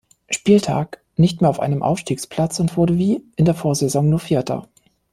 Spieltag nicht mehr auf einem Aufstiegsplatz und wurde wie in der Vorsaison nur Vierter.